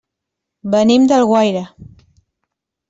Venim d'Alguaire.